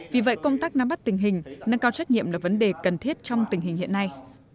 vì vậy công tác nắm bắt tình hình nâng cao trách nhiệm là vấn đề cần thiết trong tình hình hiện nay